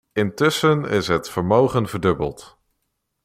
Intussen is het vermogen verdubbeld.